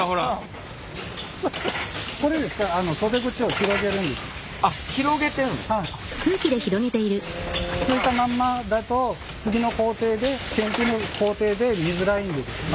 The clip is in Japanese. くっついたまんまだと次の工程で検品の工程で見づらいんでですね。